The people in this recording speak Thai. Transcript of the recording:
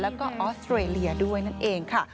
แล้วก็ออสเตรเลียด้วยนั่นเองค่ะ